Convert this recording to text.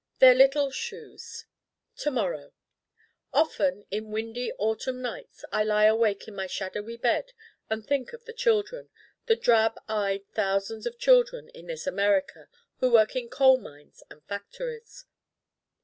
Their little shoes To morrow Often in windy autumn nights I lie awake in my shadowy bed and think of the children, the Drab eyed thousands of children in this America who work in coal mines and factories.